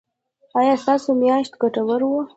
ایا ستاسو میاشت ګټوره وه؟